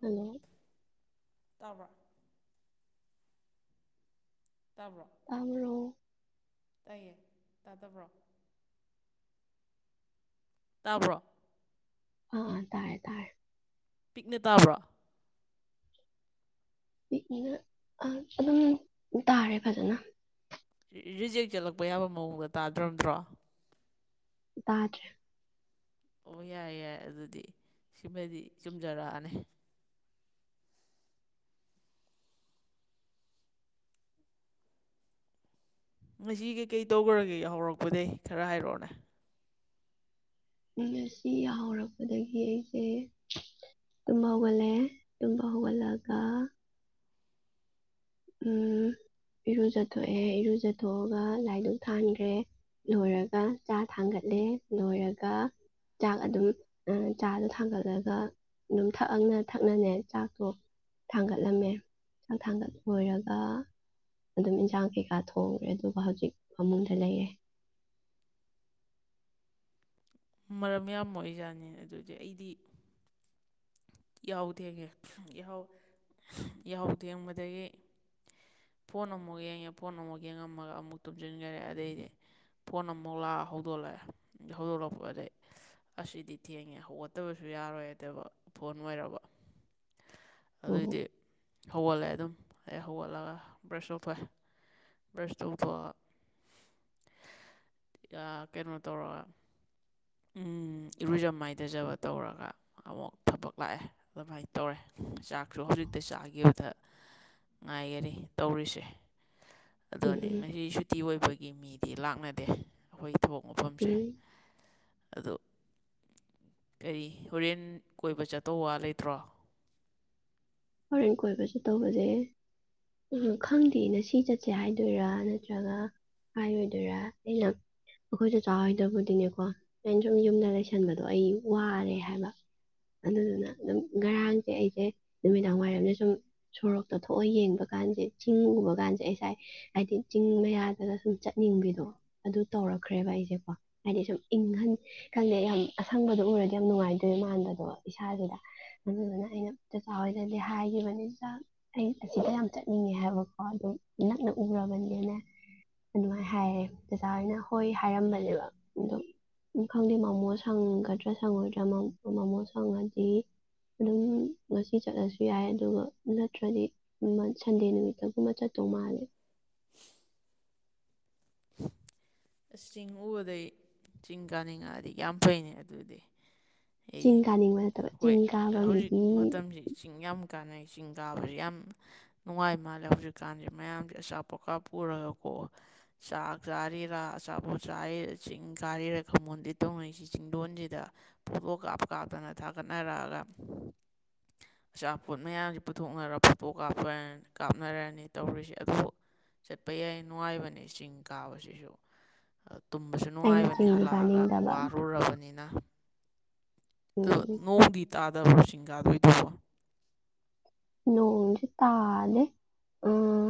hello ꯇꯕ ꯇꯥꯕ꯭ꯔꯣ ꯑꯔꯣ ꯂꯩꯌꯦ ꯇꯥꯗꯕ꯭ꯔꯣ ꯇꯥꯕ꯭ꯔꯣ ꯑꯥ ꯇꯥꯔꯦ ꯇꯥꯔꯦ ꯄꯤꯛꯅ ꯇꯥꯕ꯭ꯔꯣ ꯅ ꯑꯗꯨꯝ ꯇꯥꯔꯦ ꯐꯖꯅ ꯔꯤꯖꯦꯛ ꯆꯠꯂꯛꯄ ꯌꯥꯕ ꯃꯑꯣꯡꯗ ꯇꯥꯗ꯭ꯔꯝꯗ꯭ꯔꯣ ꯇꯥꯗ꯭ꯔ ꯑꯣ ꯌꯥꯏꯦ ꯌꯥꯏ ꯑꯗꯨꯗꯤ ꯁꯤꯃꯗꯤ ꯆꯨꯝꯖꯔꯛꯑꯅꯤ ꯉꯁꯤ ꯀꯩꯀꯩ ꯇꯧꯈ꯭ꯔꯒꯦ ꯍꯧꯔꯛꯄꯗꯒꯤꯩ ꯈꯔ ꯍꯥꯏꯔꯛꯑꯣꯅꯦ ꯎ ꯁꯤ ꯌꯥ ꯍꯧꯧꯔꯛꯄꯗꯒꯤ ꯑꯩꯁꯦ ꯇꯨꯝꯕ ꯍꯒꯂꯦ ꯇꯨꯝꯕ ꯍꯒꯂꯒ ꯏꯔꯨꯖꯊꯣꯛꯑꯦ ꯏꯔꯨꯖꯊꯣꯛꯑꯒ ꯂꯥꯏꯗꯨꯛ ꯊꯥꯟꯈ꯭ꯔꯦ ꯂꯣꯏꯔꯒ ꯆꯥ ꯊꯥꯡꯒꯠꯂꯦ ꯂꯣꯏꯔꯒ ꯆꯥꯛ ꯑꯗꯨꯝ ꯆꯥꯗꯣ ꯊꯥꯡꯒꯠꯂꯒ ꯑꯗꯨꯝ ꯊꯛꯑꯅ ꯊꯛꯅꯅꯦ ꯆꯥꯛꯇꯣ ꯊꯥꯡꯒꯠꯂꯝꯃꯦ ꯆꯥꯛ ꯊꯥꯡꯒꯠ ꯑꯣꯏꯣꯏꯔꯒ ꯑꯗꯨꯝ ꯏꯟꯁꯥꯡ ꯀꯩꯀꯥ ꯊꯣꯡꯈ꯭ꯔꯦ ꯑꯗꯨꯒ ꯍꯧꯖꯤꯛ ꯐꯃꯨꯡꯗ ꯂꯩꯔꯦ [unintelligible] ꯃꯔꯝ ꯌꯥꯝꯕ ꯑꯣꯏꯖꯥꯠꯅꯤ ꯑꯗꯨꯗꯤ ꯑꯩꯗꯤ ꯌꯥꯎ ꯊꯦꯡꯉꯦ ꯌꯥꯎ ꯊꯦꯡꯕꯗꯒꯤ ꯐꯣꯟ ꯑꯃꯨꯛ ꯌꯦꯡꯉꯦ ꯐꯣꯟ ꯑꯃꯨꯛ ꯌꯦꯡꯉꯝꯃꯒ ꯑꯃꯨꯛ ꯇꯨꯝꯁꯤꯟꯈꯔꯦ ꯑꯗꯩꯗꯤ ꯐꯣꯟꯃꯣꯂ ꯍꯧꯗꯣꯂꯦ ꯍꯧꯗꯣꯂ ꯑꯗꯩ ꯑꯁꯤꯗꯤ ꯊꯦꯡꯉꯦ ꯍꯧꯒꯠꯇꯕꯁꯨ ꯌꯥꯔꯣꯏꯗꯕ ꯐꯣꯟ ꯑꯣꯏꯔꯕ ꯑꯣ ꯑꯗꯨꯏꯗꯤ ꯍꯧꯒꯠꯂꯦ ꯑꯗꯨꯝ ꯑꯩ ꯍꯧꯒꯠꯂꯒ ꯕ꯭ꯔꯁ ꯑꯣꯐꯦ ꯕ꯭ꯔꯁ ꯇꯧꯕ ꯊ ꯀꯩꯅꯣ ꯇꯧꯔꯒ ꯎꯝ ꯏꯔꯨꯖ ꯃꯥꯏꯊꯖꯕ ꯇꯧꯔꯒ ꯑꯃꯨꯛ ꯊꯕꯛ ꯂꯥꯛꯑꯦ ꯑꯗꯨꯃꯥꯏꯅ ꯇꯧꯔꯦ ꯆꯥꯛꯁꯨ ꯍꯧꯖꯤꯛꯇ ꯆꯥꯈꯤꯕꯗ ꯉꯥꯏꯒꯅꯤ ꯇꯧꯔꯤꯁꯦ ꯎꯝ ꯑꯗꯨꯅꯦ ꯎꯝ ꯉꯁꯤ ꯁꯨꯇꯤ ꯑꯣꯏꯕꯒꯤ ꯃꯤꯗꯤ ꯂꯥꯛꯅꯗꯦ ꯑꯩꯈꯣꯏ ꯊꯕꯣꯛ ꯃꯐꯝꯁꯦ ꯎꯝ ꯑꯣ ꯀꯔꯤ ꯍꯣꯔꯦꯟ ꯀꯣꯏꯕ ꯆꯠꯇꯧ ꯋꯥ ꯂꯩꯇ꯭ꯔꯣ ꯍꯣꯔꯦꯟ ꯀꯣꯏꯕꯁꯨ ꯇꯧꯕꯁꯩ ꯎꯝ ꯈꯪꯗꯦ ꯅ ꯁꯤ ꯆꯠꯁꯦ ꯍꯥꯏꯗꯣꯏꯔꯥ ꯅꯠꯇ꯭ꯔꯒ ꯍꯥꯏꯔꯣꯏꯗꯔꯥꯂ ꯑꯩꯈꯣꯏꯁꯨ ꯆꯥꯎꯥꯔꯣꯏꯗꯕꯨꯗꯤꯅꯦꯀꯣ ꯑꯩꯅ ꯁꯨꯝ ꯌꯨꯝꯗ ꯂꯩꯁꯟꯕꯗꯣ ꯑꯩ ꯋꯥꯔꯦ ꯍꯥꯏꯕ ꯑꯗꯨꯗꯨꯅ ꯑꯗꯨꯝ ꯉꯔꯥꯡꯁꯦ ꯑꯩꯁꯦ ꯅꯨꯃꯤꯗꯥꯡ ꯋꯥꯏꯔꯝꯗ ꯁꯨꯝ ꯁꯣꯔꯣꯛꯇꯣ ꯊꯣꯛꯑ ꯌꯦꯡꯕ ꯀꯥꯟꯁꯦ ꯆꯤꯡꯒꯨꯝꯕ ꯀꯥꯟꯁꯦ ꯑꯩ ꯉꯁꯥꯏ ꯍꯥꯏꯗꯤ ꯆꯤꯡ ꯃꯌꯥꯗꯒ ꯁꯨꯝ ꯆꯠꯅꯤꯡꯕꯤꯗꯣ ꯑꯗꯨ ꯇꯧꯔꯛꯈ꯭ꯔꯦꯕ ꯑꯩꯁꯦꯀꯣ ꯍꯥꯏꯗꯤ ꯁꯨꯝ ꯏꯪꯟ ꯈꯂꯦ ꯌꯥꯝ ꯑꯁꯪꯕꯗ ꯎꯔꯗꯤ ꯌꯥꯝ ꯅꯨꯡꯉꯥꯏꯇꯦ ꯃꯥꯟꯕ ꯑꯗꯣ ꯏꯁꯥꯁꯤꯗ ꯑꯗꯨꯗꯨꯅ ꯑꯩꯅ ꯥꯏꯗꯗꯤ ꯍꯥꯏꯈꯤꯕꯅꯤꯗ ꯑꯩ ꯑꯁꯤꯗ ꯌꯥꯝ ꯆꯠꯅꯤꯡꯉꯦ ꯍꯥꯏꯕꯀꯣ ꯑꯗꯨ ꯅꯛꯅ ꯎꯔꯕꯅꯤ ꯅꯦ ꯑꯗꯨꯃꯥꯏꯅ ꯍꯥꯏꯔꯦ ꯑꯣꯖꯥ ꯍꯣꯏꯅ ꯍꯣꯏ ꯍꯥꯏꯔꯝꯕꯅꯦꯕ ꯑꯗꯨꯝ ꯈꯪꯗꯦ ꯃꯣꯃꯣ ꯁꯪꯒꯗ꯭ꯔꯥ ꯁꯪꯉꯣꯏꯗ꯭ꯔꯥ ꯃꯣꯃꯣ ꯁꯪꯉꯗꯤ ꯑꯗꯨ ꯉꯁꯤ ꯆꯠꯂꯁꯨ ꯌꯥꯏ ꯑꯗꯨꯒ ꯅꯠꯇ꯭ꯔꯗꯤ ꯁꯟꯗꯦ ꯅꯨꯃꯤꯠꯇꯒꯨꯝꯕ ꯆꯠꯇꯧ ꯃꯥꯜꯂꯦ ꯑꯁ ꯆꯤꯡ ꯎꯕꯗꯩ ꯆꯤꯡ ꯀꯥꯅꯤꯡꯉꯛꯑꯗꯤ ꯌꯥꯝ ꯐꯩꯅꯦ ꯑꯗꯨꯗꯤ ꯑꯩꯗꯤ ꯆꯤꯡ ꯀꯥꯅꯤꯡꯕ ꯅꯠꯇꯕ ꯆꯤꯡ ꯍꯣꯏ ꯀꯥꯕꯒꯤꯗꯤ ꯃꯇꯝꯁꯤ ꯆꯤꯡ ꯌꯥꯝ ꯍꯧꯖꯤꯛ ꯀꯥꯟꯅꯩ ꯆꯤꯡ ꯀꯥꯕꯁꯤ ꯌꯥꯝ ꯅꯨꯡꯉꯥꯏ ꯃꯥꯜꯂꯦ ꯍꯧꯖꯤꯛꯀꯥꯟꯁꯦ ꯃꯌꯥꯝꯁꯦ ꯑꯆꯥꯄꯣꯠꯀꯥ ꯄꯨꯔꯒꯣ ꯑꯣ ꯁꯥꯀꯖꯥꯔ ꯔꯥ ꯑꯆꯥꯄꯣꯠ ꯆꯥ ꯆꯤꯡ ꯀꯥꯏꯔꯤꯔ ꯈꯃꯣꯟꯗꯤ ꯇꯧꯅꯩꯁꯤ ꯆꯤꯡꯗꯣꯟꯁꯤꯗ ꯄꯣꯂꯣ ꯀꯥꯞꯄ ꯀꯥꯞꯇꯅ ꯊꯥꯒꯠꯅꯔꯛꯑꯒ ꯑꯆꯥꯄꯣꯠ ꯃꯌꯥꯝꯁꯤ ꯄꯨꯊꯣꯛꯅꯔ ꯐꯣꯇꯣꯥꯞꯄꯅꯤ ꯀꯥꯞꯅꯔꯅꯤ ꯇꯧꯔꯤꯁꯦ ꯑꯗꯨꯕꯨ ꯆꯠꯄ ꯌꯥꯏ ꯅꯨꯡꯉꯥꯏꯕꯅꯦ ꯆꯤꯡ ꯀꯥꯕꯁꯤꯁꯨ ꯇꯨꯝꯕꯁꯨ ꯑꯩꯅ ꯅꯨꯡꯉꯥꯏꯕꯅꯤ ꯆꯤꯡꯗꯤ ꯍꯜꯂꯛꯑꯒ ꯀꯥꯅꯤꯡꯗꯕ ꯋꯥꯔꯨꯔꯕꯅꯤꯅ ꯑ ꯎꯝ ꯅꯣꯡꯃꯗꯤ ꯇꯥꯗꯕ ꯆꯤꯡ ꯀꯥꯗꯣꯏꯗꯨꯕꯣ ꯂꯣꯡꯑꯣꯁꯨ ꯇꯥꯜ ꯎꯝ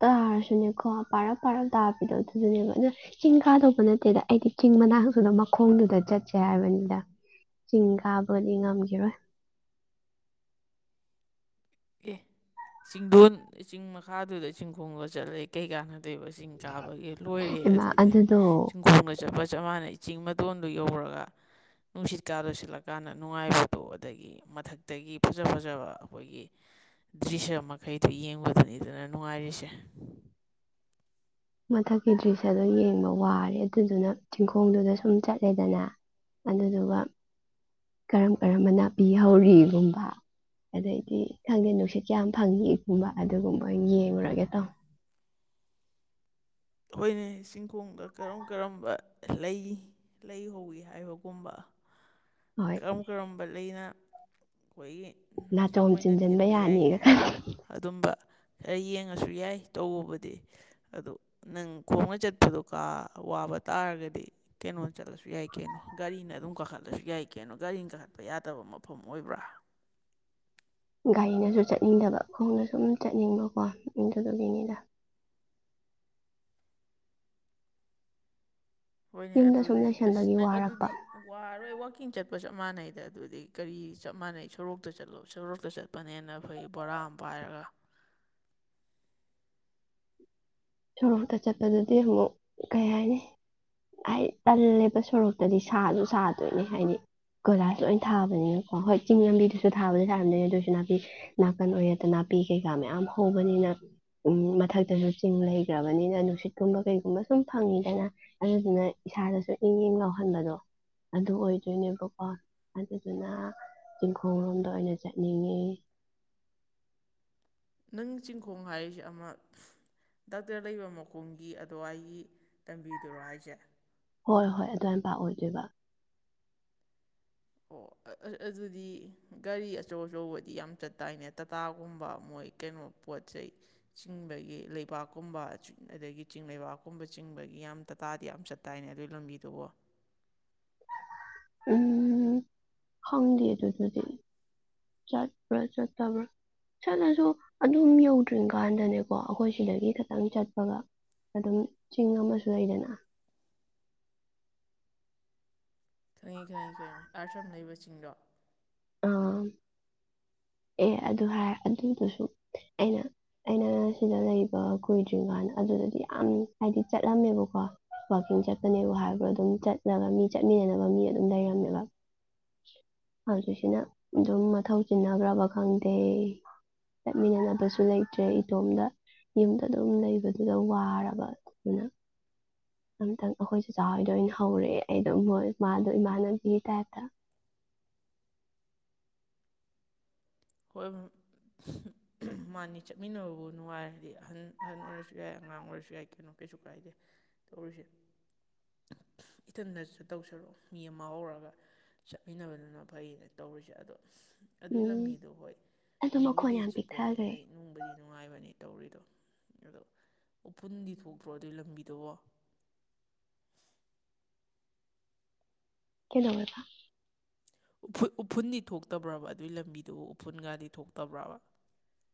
ꯇꯥꯔꯁꯨꯅꯦꯀꯣ ꯄꯥꯔꯞ ꯄꯥꯔꯞ ꯇꯥꯕꯤꯗꯣ ꯑꯗꯨꯁꯨꯅꯦꯕ ꯑꯗꯨꯗ ꯆꯤꯡꯈꯥꯗꯣꯛꯄ ꯅꯠꯇꯦꯗ ꯑꯩꯗꯤ ꯆꯤꯡ ꯉꯥꯡꯁꯨꯅ ꯃꯈꯣꯡꯗꯨꯗ ꯆꯠꯁꯦ ꯍꯥꯏꯕꯅꯤꯗ ꯆꯤꯡ ꯀꯥꯕꯨꯗꯤ ꯉꯝꯈꯤꯔꯣꯏ ꯑꯦ ꯆꯤꯡꯗꯣꯟꯤꯡ ꯃꯈꯥꯗꯨꯗ ꯆꯤꯡꯈꯣꯡꯕꯒ ꯆꯠꯂꯦ ꯀꯩ ꯀꯥꯅ ꯑꯩꯕꯁꯤꯡ ꯆꯥꯕꯒꯤ ꯂꯣꯏꯔꯦ ꯏꯃꯥ ꯑꯗꯨꯗꯤ ꯑꯗꯨꯗꯣ ꯆꯤꯡꯈꯣꯡꯗ ꯆꯞꯄ ꯆꯞ ꯃꯥꯟꯅꯩ ꯆꯤꯡ ꯃꯇꯣꯟꯗꯨ ꯌꯧꯔꯒ ꯅꯨꯡꯁꯤꯠ ꯀꯥꯗ ꯁꯤꯠꯂꯀꯥꯟꯗ ꯅꯨꯡꯉꯥꯏꯕꯗꯣ ꯑꯗꯒꯤ ꯃꯊꯛꯇꯒꯤ ꯐꯖ ꯐꯖꯕ ꯑꯩꯈꯣꯏꯒꯤ ꯗ꯭ꯔꯤꯁ ꯃꯈꯩꯗꯨꯣ ꯌꯦꯡꯕꯗꯅꯤꯗꯅ ꯅꯨꯡꯉꯥꯏꯔꯤꯁꯦ ꯃꯊꯛꯀꯤ ꯗ꯭ꯔꯤꯁ ꯑꯗꯨ ꯌꯦꯡꯕ ꯋꯥꯔꯦ ꯑꯗꯨꯗꯨꯅ ꯆꯤꯡꯈꯣꯡꯗꯨꯗ ꯁꯨꯝ ꯆꯠꯂꯦꯗꯅ ꯑꯗꯨꯗꯨꯒ ꯀꯔꯝ ꯀꯔꯝꯕ ꯅꯥꯄꯤꯍꯧꯔꯤꯒꯨꯝꯕ ꯑꯗꯩꯗꯤ ꯈꯪꯗꯦ ꯅꯨꯡꯁꯤꯠ ꯀꯌꯥꯝ ꯐꯪꯏꯒꯨꯝꯕ ꯑꯗꯨꯒꯨꯝꯕ ꯌꯦꯡꯂꯡꯨꯔꯒꯦ ꯇꯧ ꯑꯩꯈꯣꯏꯅꯦ ꯆꯤꯡꯈꯣꯡꯗ ꯀꯔꯝ ꯀꯔꯝꯕ ꯂꯩ ꯂꯩ ꯍꯧꯧꯏꯤ ꯍꯥꯏꯕꯒꯨꯝꯕ ꯍꯣꯏ ꯀꯔꯝ ꯀꯔꯝꯕ ꯂꯩꯅ ꯑꯩꯈꯣꯏꯒꯤ ꯑꯆꯨꯝ ꯅꯥꯆꯣꯝ ꯑꯣꯏꯅ ꯆꯤꯟꯁꯤꯟꯕ ꯊꯦꯠꯄ ꯌꯥꯏꯒꯦ ꯌꯥꯅꯤꯒ ꯍꯥꯏꯕ ꯑꯗꯨꯝꯕ ꯈꯔ ꯌꯦꯡꯉꯁꯨ ꯌꯥꯏ ꯇꯕꯗꯤ ꯑꯗꯨ ꯅꯪ ꯈꯣꯡꯅ ꯆꯠꯄꯗꯣ ꯀꯥ ꯋꯥꯕ ꯇꯥꯔꯒꯗꯤ ꯀꯩꯅꯣ ꯆꯠꯂꯁꯨ ꯌꯥꯏ ꯀꯩꯅꯣ ꯒꯥꯔꯤꯅ ꯑꯗꯨꯝ ꯀꯥꯈꯠꯂꯁꯨ ꯌꯥꯏ ꯀꯩꯅꯣ ꯒꯥꯔꯤ ꯀꯥꯈꯠꯄ ꯌꯥꯗꯕ ꯃꯐꯝ ꯑꯣꯏꯕ꯭ꯔꯥ ꯒꯥꯔꯤꯅꯁꯨ ꯆꯠꯅꯤꯡꯗꯕ ꯈꯣꯡꯅ ꯁꯨꯝ ꯆꯠꯅꯤꯡꯕꯀꯣ ꯑꯗꯨꯒꯤꯅꯤꯗ ꯍꯣꯏꯅꯦ ꯌꯨꯝꯗ ꯁꯨꯝ ꯑꯗꯨꯗꯤ ꯑꯁ ꯂꯩꯁꯟꯕꯒꯤ ꯅꯪ ꯋꯥꯔꯛꯄ ꯑꯗꯨꯗꯤ ꯋꯥꯔꯣꯏ ꯍꯀꯤꯡ ꯆꯠꯄ ꯆꯞ ꯃꯥꯟꯅꯩꯗ ꯑꯗꯨꯗꯤ ꯀꯔꯤ ꯆꯞ ꯃꯥꯟꯅꯩ ꯁꯣꯔꯣꯛꯇ ꯆꯠꯂꯣ ꯁꯣꯔꯣꯛꯇ ꯆꯠꯄꯅꯦꯅ ꯑꯩꯈꯣꯏ ꯕꯣꯔꯥ ꯄꯥꯝ ꯄꯥꯏꯔꯒ [inaudible] ꯁꯣꯔꯣꯛꯇ ꯆꯠꯄꯗꯗꯤ ꯑꯃꯨꯛ ꯀꯩ ꯍꯥꯏꯅꯤ ꯍꯥꯏ ꯇꯜꯂꯦꯕ ꯁꯣꯔꯣꯛꯇꯗꯤ ꯁꯥꯁꯨ ꯁꯥꯗꯣꯏꯅꯦ ꯍꯥꯏꯗꯤ ꯀꯣꯏꯂꯥꯁꯁꯨ ꯂꯣꯏ ꯊꯥꯕꯅꯤꯅꯀꯣ ꯍꯣꯏ ꯆꯤꯡ ꯂꯝꯕꯤꯗꯨꯁꯨ ꯊꯥꯕꯗꯤ ꯁꯥꯔꯝꯗꯣꯏꯅꯦ ꯑꯗꯨꯑꯣꯏꯁꯨ ꯅꯥꯄꯤ ꯅꯥꯀꯟ ꯑꯣꯏꯔꯦꯠꯇ ꯅꯥꯄꯤ ꯅꯥꯄꯤ ꯀꯩꯀꯥ ꯃꯌꯥꯝ ꯍꯧꯕꯅꯤꯅ ꯎ ꯃꯊꯛꯇꯁꯨ ꯆꯤꯡ ꯂꯩ ꯂꯩꯈ꯭ꯔꯕꯅꯤꯅ ꯅꯨꯡꯁꯤꯠꯀꯨꯝꯕ ꯀꯩꯒꯨꯝꯕ ꯁꯨꯝ ꯐꯪꯉꯤꯗꯅ ꯑꯗꯨꯗꯨꯅ ꯏꯁꯥꯗꯁꯨ ꯏꯪ ꯏꯪ ꯂꯥꯎꯍꯟꯕꯗꯣ ꯑꯗꯨ ꯑꯣꯏꯗꯣꯏꯅꯦꯕꯀꯣ ꯑꯗꯨꯗꯨꯅ ꯆꯤꯡꯈꯣꯡ ꯂꯣꯝꯗ ꯑꯣꯏꯅ ꯆꯠꯅꯤꯡꯉꯤ [unintelligible] ꯅꯪ ꯆꯤꯡꯈꯣꯡ ꯍꯥꯏꯔꯤꯁꯤ ꯑꯃ ꯗꯥꯛꯇꯔ ꯂꯩꯕ ꯃꯈꯨꯝꯒꯤ ꯑꯗ ꯑꯩꯒꯤ ꯇꯝꯕꯤꯗꯨꯔꯣ ꯍꯥꯏꯁꯦ ꯍꯣꯏ ꯍꯣꯏ ꯑꯗꯨꯋꯥꯅꯄꯥ ꯑꯣꯏꯗꯣꯏꯕ ꯑꯣ [unintelligible] ꯑꯗꯨꯗꯤ ꯒꯥꯔꯤ ꯑꯆꯧ ꯑꯆꯧꯕꯗꯤ ꯌꯥꯝ ꯆ ꯇꯥꯏꯅꯦ ꯇꯥꯇꯥꯒꯨꯝꯕ ꯃꯣꯏ ꯀꯩꯅꯣ ꯄꯣꯠ ꯆꯩ ꯆꯤꯡꯕꯒꯤ ꯂꯩꯕꯥꯛꯀꯨꯝꯕ ꯑꯗꯒꯤ ꯆꯤꯡ ꯂꯩꯕꯥꯛꯀꯨꯝꯕ ꯆꯤꯡꯕꯒꯤ ꯌꯥꯝ ꯇꯇꯥ ꯇꯥꯗꯤ ꯌꯥꯝ ꯆꯠꯇ ꯇꯥꯏꯅꯦ ꯑꯗꯨꯒꯤ ꯂꯝꯕꯤꯗꯨꯕꯨꯣ [unintelligible] ꯎꯝ ꯈꯪꯗꯤ ꯑꯗꯨ ꯑꯗꯨꯗꯤ ꯆꯠꯄ꯭ꯔ ꯆꯠ ꯇꯕ ꯆꯠꯂꯁꯨ ꯑꯗꯨꯝ ꯌꯧꯗ꯭ꯔꯤ ꯀꯥꯟꯗꯅꯦꯀꯣ ꯑꯩꯈꯣꯏ ꯁꯤꯗꯒꯤ ꯈꯤꯇꯪ ꯆꯠꯄꯒ ꯑꯗꯨꯝ ꯆꯤꯡ ꯑꯃꯁꯨ ꯂꯩꯗꯅ ꯈꯪꯉꯤ ꯈꯪꯉꯤ ꯈꯪꯉꯤ ꯑꯥꯔꯠꯐꯝ ꯂꯩꯕꯁꯤꯡꯗꯣ ꯑꯥ ꯑꯦ ꯑꯗꯨ ꯍꯥꯏ ꯑꯗꯨꯗꯨꯁꯨ ꯑꯩꯅ ꯑꯩꯅ ꯁꯤꯗ ꯂꯩꯕ ꯀꯨꯏꯗ꯭ꯔꯤ ꯀꯥꯟꯗ ꯑꯗꯨ ꯑꯗꯨꯗꯤ ꯌꯥꯝ ꯍꯥꯏꯗꯤ ꯆꯠꯂꯝꯃꯦꯕꯀꯣ ꯋꯥꯛꯀꯤꯡ ꯆꯠꯄꯅꯦꯕ ꯍꯥꯏꯕ꯭ꯔꯣ ꯑꯗꯨꯝ ꯆꯠꯂꯒ ꯃꯤ ꯆꯠꯃꯤꯗꯅ ꯃꯤ ꯑꯗꯨꯝ ꯂꯩꯔꯝꯃꯦꯕ ꯁꯤꯅ ꯑꯗꯨꯝ ꯃꯊꯧ ꯆꯤꯟꯅꯈ꯭ꯔꯕ ꯈꯪꯗꯦ ꯆꯠꯃꯤꯟꯅꯅꯕꯁꯨ ꯂꯩꯇ꯭ꯔꯦ ꯏꯇꯣꯝꯗ ꯌꯨꯝꯗ ꯑꯗꯨꯝ ꯂꯩꯕꯗꯨꯗ ꯋꯥꯔꯕ ꯑꯗꯨꯅ ꯑꯝꯇꯪ ꯑꯩꯈꯣꯏꯁꯨ ꯆꯥꯍꯣꯏꯗ ꯑꯣꯏꯅ ꯍꯧꯔꯛꯑꯦ ꯑꯩꯗꯣ ꯃꯣꯏ ꯃꯥꯗꯣ ꯏꯃꯥꯟꯅꯕꯤꯒꯤ ꯇꯥꯏꯞꯇ [unintelligible] ꯍꯣꯏ ꯃꯥꯅꯤ ꯆꯠꯃꯤꯟꯅꯕꯕꯨ ꯅꯨꯡꯉꯥꯏꯔꯗꯤ ꯑꯍꯟ ꯑꯍꯟ ꯑꯣꯏꯔꯁꯨ ꯌꯥꯏ ꯑꯉꯥꯡ ꯑꯣꯏꯔꯁꯨ ꯌꯥꯏ ꯀꯩꯅꯣ ꯀꯩꯁꯨ ꯀꯥꯏꯗꯦ ꯇꯧꯔꯤꯁꯦ ꯏꯊꯟꯗꯁꯨ ꯇꯧꯁꯜꯂꯛꯣ ꯃꯤ ꯑꯃ ꯍꯧꯔꯒ ꯆꯠꯃꯤꯟꯅꯕꯅꯤꯅ ꯐꯩꯅꯦ ꯇꯧꯔꯤꯁꯦ ꯑꯗꯣ ꯑꯗꯨꯏ ꯎꯝ ꯂꯝꯕꯤꯗꯣ ꯍꯣꯏ ꯑꯗꯣ ꯃꯈꯣꯟ ꯃꯤꯕꯨꯗꯤ ꯌꯥꯝ ꯆꯤꯛꯄꯅꯤ ꯄꯤꯛꯊꯈ꯭ꯔꯦ ꯑꯗꯨꯏ ꯅꯨꯡꯕꯨꯗꯤ ꯅꯨꯡꯉꯥꯏꯕꯅꯤ ꯇꯧꯔꯤꯗꯣ ꯑꯗꯣ ꯎꯐꯨꯟꯗꯤ ꯊꯣꯛꯇ꯭ꯔꯣ ꯑꯗꯨꯏ ꯂꯝꯕꯤꯗꯕꯣ [unintelligible] ꯀꯗ ꯀ ꯊ ꯎꯐꯨꯟꯗꯤ ꯊꯣꯛꯇꯕ꯭ꯔꯕ ꯑꯗꯨꯏ ꯂꯝꯕꯤꯗꯨꯕꯨ ꯎꯐꯨꯟꯒꯗꯤ ꯊꯣꯛꯇꯕ꯭ꯔꯕ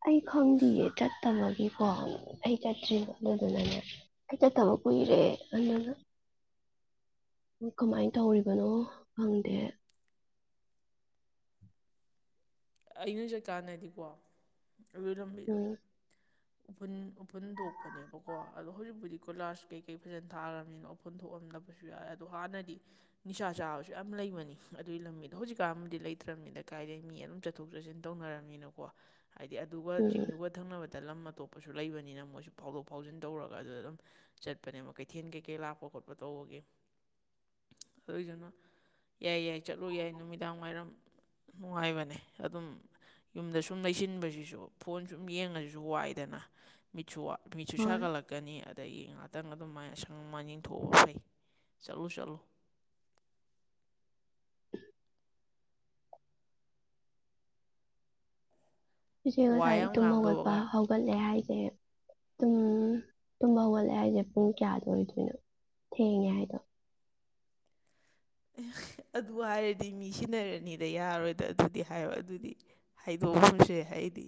ꯑꯩ ꯈꯪꯗꯤꯌꯦꯦ ꯆꯠꯇꯃꯒꯤ ꯑꯣ ꯑꯩ ꯆꯠꯇ꯭ꯔꯤꯕ ꯑꯗꯨꯗꯨꯅꯅꯦ ꯑꯩ ꯆꯠꯠꯇꯕ ꯀꯨꯏꯔꯦ ꯑꯗꯨꯅ ꯀꯃꯥꯏꯅ ꯇꯧꯔꯤꯕꯅꯣ ꯈꯪꯗꯦ ꯑꯩ ꯅꯣꯏ ꯆꯠꯀꯥꯟꯗꯗꯤꯀꯣ ꯑꯗꯨꯣꯏ ꯊꯝꯕꯤꯗꯣ ꯎꯝ ꯎꯐꯨꯟ ꯎꯐꯨꯟ ꯊꯣꯛꯄꯅꯦꯕꯀꯣ ꯑꯗꯣ ꯍꯧꯖꯤꯛꯄꯨꯗꯤ ꯀꯣꯏꯂꯥꯥꯁ ꯀꯩꯀꯩ ꯐꯖꯅ ꯊꯥꯈꯔꯕꯅꯤꯅ ꯎꯐꯨꯟ ꯊꯣꯛꯑꯝꯗ ꯐꯕꯁꯨ ꯌꯥꯏꯦ ꯑꯗꯣ ꯍꯥꯟꯅꯗꯤ ꯅꯤꯁꯥ ꯆꯥꯕꯁꯨ ꯌꯥꯝ ꯂꯩꯕꯅꯤ ꯑꯗꯨꯒꯤ ꯂꯝꯕꯤꯗꯣ ꯍꯧꯖꯤꯛꯀꯥꯟ ꯑꯃꯗꯤꯗꯤ ꯂꯩꯇ꯭ꯔꯕꯅꯤꯅ ꯀꯥꯏꯗꯒꯤꯩ ꯃꯤ ꯑꯗꯨꯝ ꯆꯠꯊꯣꯛ ꯆꯠꯁꯤꯟ ꯇꯧꯅꯔꯝꯃꯤꯅꯀꯣ ꯍꯥꯏꯗꯤ ꯑꯗꯨꯒ ꯎꯝ ꯆꯤꯡꯗꯨꯒ ꯊꯪꯅꯕꯗ ꯗ ꯂꯝ ꯑꯇꯣꯞꯄꯁꯨ ꯂꯩꯕꯅꯤꯅ ꯃꯣꯏꯁꯨ ꯐꯥꯎꯗꯣꯛ ꯐꯥꯎꯖꯤꯟ ꯇꯧꯔꯒ ꯑꯗꯨꯗ ꯑꯗꯨꯝ ꯆꯠꯄꯅꯦꯕ ꯀꯩꯊꯦꯜ ꯀꯩꯀꯩ ꯂꯥꯛꯄ ꯈꯣꯠꯄ ꯇꯧꯕꯒꯤ [unintelligible] ꯑꯗꯨꯏꯗꯨꯅ ꯌꯥꯏ ꯌꯥꯏ ꯆꯠꯂꯨ ꯌꯥꯏ ꯅꯨꯃꯤꯗꯥꯡ ꯋꯥꯏꯔꯝ ꯅꯨꯡꯉꯥꯏꯕꯅꯦ ꯑꯗꯨꯝ ꯌꯨꯝꯗ ꯁꯨꯝ ꯂꯩꯁꯤꯟꯕꯁꯤꯁꯨ ꯐꯣꯟ ꯁꯨꯝ ꯌꯦꯡꯉꯁꯤꯁꯨ ꯋꯥꯏꯗꯅ ꯁꯨ ꯃꯤꯁꯨ ꯍꯣꯏ ꯁꯥꯒꯠꯂꯛꯀꯅꯤ ꯑꯗꯒꯤ ꯉ ꯈꯤꯇꯪ ꯑꯗꯨꯃꯥꯏꯅ ꯁꯪ ꯃ ꯌꯦꯟꯊꯣꯛꯑꯕ ꯐꯩ ꯆꯠꯂꯨ ꯆꯠꯂꯨ [inaudible] ꯏꯆꯦ ꯋꯥ ꯉꯁꯥꯏ ꯌꯥꯝ ꯇꯨꯝ ꯍꯧꯒꯠꯄ ꯉꯥꯡꯗꯧꯕꯒ ꯍꯧꯒꯠꯂꯦ ꯍꯥꯏꯁꯦ ꯑꯗꯨꯨꯝ ꯇꯨꯝꯕ ꯍꯧꯒꯠꯂꯑꯦ ꯍꯥꯏꯁꯦ ꯄꯨꯡ ꯀꯌꯥꯗꯣ ꯑꯣꯏꯗꯣꯏꯅꯣ ꯊꯦꯡꯉꯦ ꯍꯥꯏꯗꯣ [inaudible] ꯑꯗꯨ ꯍꯥꯏꯔꯗꯤ ꯃꯤ ꯁꯤꯟꯅꯔꯅꯤꯗ ꯌꯥꯔꯣꯏꯗ ꯑꯗꯨꯗꯤ ꯍꯥꯏꯌꯣ ꯑꯗꯨꯗꯤ ꯍꯥꯏꯗꯣꯛꯑꯝꯁꯨ ꯍꯥꯏ ꯑꯩꯗꯤ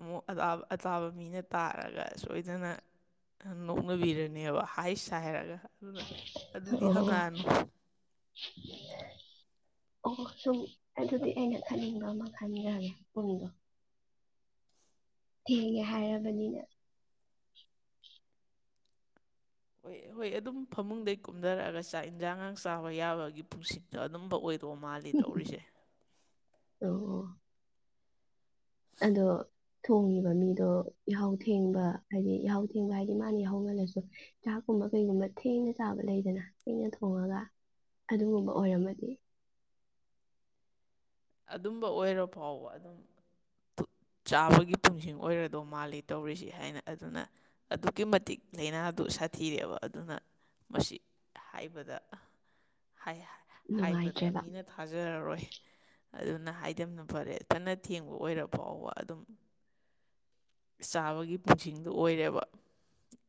ꯑꯃꯨꯛ ꯑ ꯑꯇꯥꯕ ꯃꯤꯅ ꯇꯥꯔꯒ ꯁꯣꯏꯗꯅ ꯅꯣꯛꯅꯕꯤꯔꯅꯦꯕ ꯍꯥꯏꯁ ꯍꯥꯏꯔꯒ ꯑꯗꯨꯅ ꯑꯗꯨꯗꯤ ꯑꯣ ꯍꯪꯉꯛꯑꯅꯨ [inaudible] ꯑꯣ ꯁꯨꯝ ꯑꯗꯨꯗꯤ ꯑꯩꯅ ꯈꯟꯅꯤꯡꯕ ꯑꯃ ꯈꯟꯈ꯭ꯔꯦ ꯌꯨꯝꯗꯣ ꯊꯦꯡꯒ ꯍꯥꯏꯔꯕꯅꯤꯅ ꯍꯣꯏ ꯍꯣꯏ ꯑꯗꯨꯝ ꯐꯃꯨꯡꯗꯒꯤꯩ ꯀꯨꯝꯊꯔꯛꯑꯒ ꯆꯥꯛ ꯌꯦꯟꯁꯥꯡꯒꯥꯡ ꯆꯥꯕ ꯌꯥꯕꯒꯤ ꯄꯨꯟꯁꯤꯗꯣ ꯑꯗꯨꯝꯕ ꯑꯣꯏ ꯇꯣ ꯃꯥꯜꯂꯤ ꯇꯧꯔꯤꯁꯦ ꯑꯣ ꯑꯣ ꯑꯗꯣ ꯊꯣꯡꯉꯤꯕ ꯃꯤꯗꯣ ꯏꯍꯥꯎ ꯊꯦꯡꯕ ꯍꯥꯏꯗꯤ ꯏꯍꯥꯎ ꯊꯦꯡꯕ ꯍꯥꯏꯗꯤ ꯃꯥꯅ ꯌꯥꯍꯧ ꯉꯜꯂꯁꯨ ꯆꯥꯛ ꯨꯝꯕ ꯀꯩꯒꯨꯝꯕ ꯊꯦꯡꯅ ꯆꯥꯕ ꯂꯩꯗꯅ ꯊꯦꯡꯅ ꯊꯣꯡꯉꯒ ꯑꯗꯨꯒꯨꯝꯕ ꯑꯣꯏꯔꯝꯃꯗꯤ ꯑꯗꯨꯝꯕ ꯑꯣꯏꯔ ꯐꯥꯎꯕ ꯑꯗꯨꯝ ꯆꯥꯕꯒꯤ ꯄꯨꯨꯡꯁꯤꯡ ꯑꯣꯏꯔꯗꯧ ꯃꯥꯜꯂꯤ ꯇꯧꯔꯤꯁꯤ ꯍꯥꯏꯅ ꯑꯗꯨꯅ ꯑꯗꯨꯛꯀꯤ ꯃꯇꯤꯛ ꯂꯥꯏꯅꯥ ꯇ ꯁꯥꯊꯤꯔꯦꯕ ꯑꯗꯨꯅ ꯃꯁꯤ ꯍꯥꯏꯕꯗ ꯍꯥꯏꯕꯗ ꯅꯨꯡꯉꯥꯏꯇ꯭ꯔꯦꯕ ꯃꯤꯅ ꯊꯥꯖꯔꯔꯣꯏ ꯑꯗꯨꯅ ꯍꯥꯏꯗꯕꯅ ꯐꯔꯦ ꯆꯅ ꯊꯦꯡꯕ ꯑꯣꯏꯔ ꯐꯥꯎꯕ ꯑꯗꯨꯝ ꯆꯥꯕꯒꯤ ꯄꯨꯟꯁꯤꯡꯗꯨ ꯑꯣꯏꯔꯦꯕ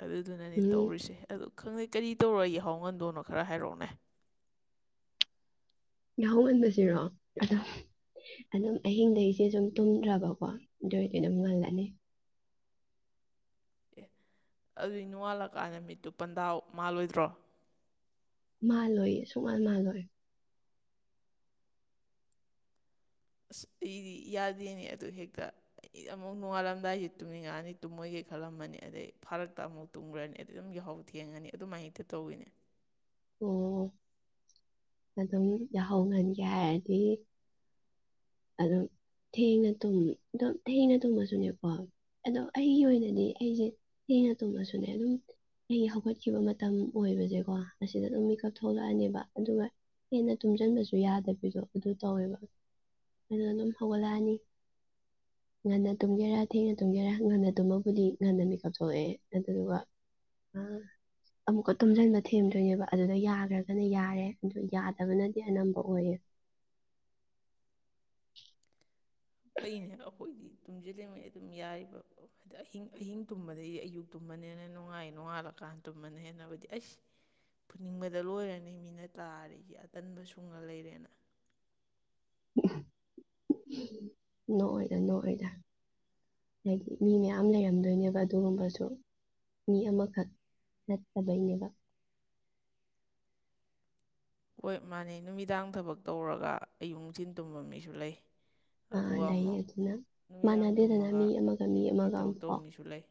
ꯑꯗꯨꯗꯨꯅꯅꯦ ꯎꯝ ꯇꯧꯔꯤꯁꯦ ꯑ ꯈꯪꯗꯦ ꯀꯔꯤ ꯇꯧꯔ ꯌꯥꯍꯥꯎ ꯉꯟꯗꯣꯏꯅꯣ ꯈꯔ ꯍꯥꯏꯔꯛꯑꯣꯅꯦ ꯌꯥꯃꯟꯁꯤꯔꯣ ꯑ ꯑꯗꯨꯝ ꯑꯍꯤꯡꯗꯒꯤꯁꯦ ꯁꯨꯝ ꯇꯨꯝꯗ꯭ꯔꯕꯀꯣ ꯑꯗꯨ ꯑꯣꯏꯔꯗꯤ ꯑꯗꯨꯝ ꯉꯜꯂꯅꯤ [inaudible] ꯑꯦ ꯑꯗꯨꯏ ꯅꯣꯡꯉꯥꯜꯂꯛꯀꯥꯟꯗ ꯃꯤꯠꯇꯨ ꯄꯟꯗꯥ ꯃꯥꯜꯂꯣꯏꯗ꯭ꯔꯣ ꯃꯥꯜꯂꯣꯏꯌꯦ ꯁꯨꯡꯃꯜ ꯃꯥꯂꯣꯏ ꯑꯁ ꯑꯩꯗꯤ ꯌꯥꯗꯦꯅꯦ ꯑꯗꯨ ꯍꯦꯛꯇ ꯑꯩꯗ ꯑꯃꯨꯛ ꯅꯣꯡꯉꯥꯜꯂꯝꯗꯥꯏꯁꯤ ꯇꯨꯝꯅꯤꯡꯉꯛꯑꯅꯤ ꯇꯨꯝꯃꯣꯏꯒꯦ ꯈꯜꯂꯝꯃꯅꯤ ꯑꯗꯩ ꯐꯥꯔꯛꯇ ꯑꯃꯨꯛ ꯇꯨꯝꯈ꯭ꯔꯅꯤ ꯑꯩ ꯑꯗꯨꯝ ꯍꯥꯎꯕ ꯊꯦꯡꯉꯅꯤ ꯑꯗꯨꯃꯥꯏꯅ ꯇꯧꯋꯤꯅꯦ [inaudible] ꯑꯣ ꯑꯗꯨꯝ ꯌꯥꯍꯧꯍꯟꯒꯦ ꯍꯥꯏꯔꯗꯤ ꯑꯗꯨꯗꯣ ꯊꯦꯡꯅ ꯇꯨꯝꯃꯤ ꯑꯗꯨꯝ ꯊꯦꯡꯅ ꯇꯨꯝꯃꯁꯨꯅꯦꯕꯀꯣ ꯑꯗꯣ ꯑꯩꯒꯤ ꯑꯣꯏꯅꯗꯤ ꯑꯩꯁꯦ ꯑꯩꯅ ꯇꯨꯝꯃꯁꯨꯅꯦ ꯑꯗꯨꯝ ꯑꯩꯒꯤ ꯍꯧꯒꯠꯈꯤꯕ ꯃꯇꯝ ꯑꯣꯏꯕꯁꯦꯀꯣ ꯑꯁꯤꯗ ꯑꯗꯨꯝ ꯃꯤꯀꯞ ꯊꯣꯛꯂꯛꯑꯅꯦꯕ ꯑꯗꯨꯒ ꯍꯦꯟꯅ ꯇꯨꯝꯁꯤꯟꯕꯁꯨ ꯌꯥꯗꯕꯤꯗꯣ ꯑꯗꯨ ꯇꯧꯋꯦꯕ ꯑꯗꯨꯅ ꯑꯗꯨꯝ ꯍꯧꯒꯠꯂꯛꯑꯅꯤ ꯉꯟꯅ ꯇꯨꯝꯒꯦꯔꯥ ꯊꯦꯡꯅ ꯇꯨꯝꯒꯦꯔꯥ ꯉꯟꯅ ꯇꯨꯝꯃꯕꯨꯗꯤ ꯉꯟꯅ ꯃꯦꯀꯞ ꯊꯣꯛꯑꯑꯦ ꯑꯗꯨꯗꯨꯒ ꯑ ꯑꯃꯨꯛꯀ ꯇꯨꯝꯖꯟ ꯃ ꯊꯦꯝ ꯗꯣꯏꯅꯦꯕ ꯑꯗꯨꯗ ꯌꯥꯈ꯭ꯔꯒꯅ ꯌꯥꯔꯦ ꯑꯗꯨ ꯌꯥꯗꯕꯅꯗꯤ ꯑꯅꯝꯕ ꯑꯣꯏꯌꯦ [inaudible] ꯐꯩꯅꯦ ꯑꯩꯈꯣꯏꯗꯤ ꯇꯨꯝꯁꯤꯜꯂꯤꯉꯩ ꯑꯗꯨꯝ ꯌꯥꯔꯤꯕꯗꯤ ꯑꯍꯤꯡ ꯑꯍꯤꯡ ꯇꯨꯝꯕꯗꯒꯤꯩ ꯑꯌꯨꯛ ꯇꯨꯝꯕ ꯇꯨꯝꯅꯦ ꯍꯅ ꯅꯨꯡꯉꯥꯏ ꯅꯣꯡꯉꯥꯂꯀꯥꯟ ꯇꯨꯝꯃꯅ ꯍꯦꯟꯅꯕꯗꯤ ꯑꯩ ꯐꯨꯅꯤꯡꯕꯗ ꯂꯣꯏꯔꯅꯤ ꯃꯤꯅ ꯇꯥꯔꯤꯒꯤ ꯑꯇꯟꯕ ꯁꯨꯡꯉ ꯂꯩꯔꯦꯅ ꯅꯣꯏꯗ ꯅꯅꯨꯡꯣꯏꯗ ꯍꯥꯏꯗꯤ ꯃꯤ ꯃꯌꯥꯝ ꯂꯩꯔꯝꯗꯣꯏꯅꯦꯕ ꯑꯗꯨꯒꯨꯝꯕꯁꯨ ꯃꯤ ꯑꯃꯈꯛ ꯅꯠꯇꯕꯩꯅꯦꯕ ꯍꯣꯏ ꯃꯥꯅꯤ ꯅꯨꯃꯤꯗꯥꯡ ꯊꯕꯛ ꯇꯧꯔꯒ ꯑꯌꯛ ꯅꯨꯡꯊꯤꯟ ꯇꯨꯝꯕ ꯃꯤꯁꯨ ꯂꯩ ꯑꯗꯨꯒ ꯂꯩ ꯑꯃꯨꯛ ꯑꯗꯨꯅ ꯅꯨꯃꯤꯗꯥꯡ ꯃꯥꯟꯅꯗꯦꯗꯅ ꯃꯤ ꯇꯨꯝꯃꯒ ꯑꯃꯒ ꯃꯤ ꯑꯌꯨꯛ ꯅꯨꯡꯊꯤꯟ ꯑꯃꯒ ꯊꯕꯛ ꯇꯧꯕ ꯑꯃꯝꯐꯥꯎ ꯃꯤꯁꯨ ꯂꯩ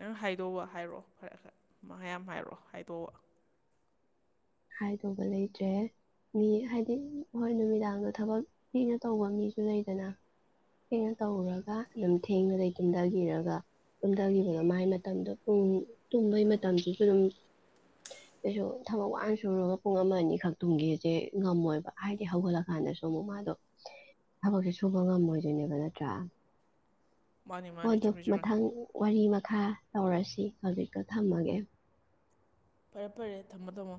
ꯅꯪ ꯍꯥꯏꯗꯑꯣ ꯍꯥꯏꯔꯛꯑꯣ ꯐꯔꯦꯔꯦꯌꯥꯝ ꯍꯥꯏꯔꯛꯑꯣ ꯍꯥꯏꯗꯣꯛꯑꯣ ꯍꯥꯏꯗꯧꯕ ꯂꯩꯇ꯭ꯔꯦ ꯃꯤ ꯍꯥꯏꯗꯤ ꯍꯣꯏ ꯅꯨꯃꯤꯗꯥꯡꯗ ꯊꯕꯛ ꯊꯤꯅ ꯇꯧꯕ ꯃꯤꯁꯨ ꯂꯩꯗꯅ ꯊꯦꯡꯅ ꯇꯧꯔꯒ ꯑꯗꯨꯝ ꯊꯦꯡꯕꯗꯒꯤ ꯇꯨꯝꯊꯕꯤꯔꯒ ꯀꯨꯝꯊꯈꯤꯕꯒ ꯃꯥꯏ ꯃꯇꯝꯗꯣ ꯄꯨꯡ ꯇꯨꯝꯕꯒꯤ ꯃꯇꯝꯁꯤꯁꯨ ꯑꯗꯨꯝ ꯑꯦꯁꯨ ꯊꯃ ꯁꯨꯔꯒ ꯄꯨꯡ ꯑꯃ ꯑꯅꯤꯈꯛ ꯊꯨꯡꯒꯦꯁꯦ ꯉꯝꯃꯣꯏꯕ ꯍꯥꯏꯗꯤ ꯍꯧꯒꯠꯂꯀꯥꯟꯗꯁꯨ ꯑꯃꯨꯛ ꯃꯥꯗꯣ ꯊꯕꯛꯁꯦ ꯁꯨꯕ ꯉꯝꯃꯣꯏꯗꯣꯏꯅꯦꯕ ꯅꯠꯇ꯭ꯔꯥ ꯃꯥꯅꯤ ꯃꯥꯅꯤ ꯍꯗꯣ ꯆꯨꯝꯃꯤ ꯆꯨꯝꯃꯤ ꯃꯊꯪ ꯋꯥꯔꯤ ꯈꯥ ꯇꯧꯔꯁꯤ ꯍꯧꯖꯤꯛꯇ ꯊꯝꯃꯒꯦ ꯐꯔꯦ ꯐꯔꯦ ꯊꯝꯃꯣ ꯊꯝꯃꯣ